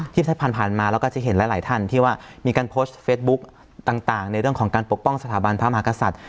ที่ผ่านมาเราก็จะเห็นหลายท่านที่ว่ามีการโพสต์เฟสบุ๊คต่างในเรื่องของการปกป้องสถาบันพระมหากษัตริย์